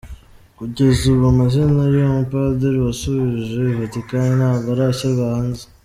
Kugeza ubu amazina y’uwo mupadiri wasubijwe i Vatican ntabwo arashyirwa hanze.